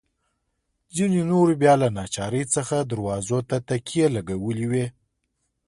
ځینو نورو بیا له ناچارۍ څخه دروازو ته تکیې لګولي وې.